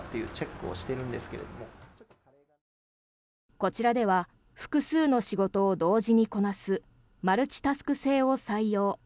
こちらでは複数の仕事を同時にこなすマルチタスク制を採用。